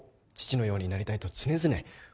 父のようになりたいと常々。